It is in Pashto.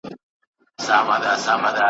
لا څو زیاتي چي ښې ساندي یې ویلي `